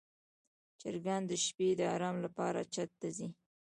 چرګان د شپې د آرام لپاره چت ته ځي.